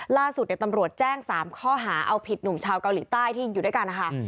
ล่าสุดตำรวจแจ้ง๓ข้อหาเอาผิดหนุ่มชาวเกาหลีใต้ที่อยู่ด้วยกันนะคะ